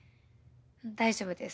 大丈夫です。